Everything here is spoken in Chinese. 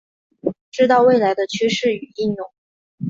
知道未来的趋势与应用